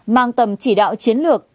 mang tầm chỉ đạo chiến lược